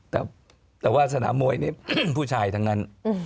แต่ว่าสนามมวยนี้ผู้ชายทั้งกัน